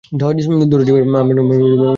দরজীরা আমার নূতন গাউন তৈরী করছে।